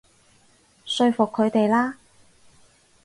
說服佢哋啦